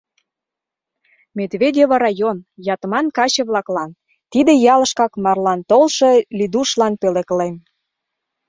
Медведево район Ятман каче-влаклан, тиде ялышкак марлан толшо Лидушлан пӧлеклем